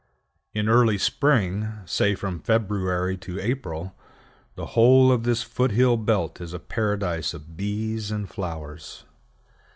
In early spring, say from February to April, the whole of this foot hill belt is a paradise of bees and flowers.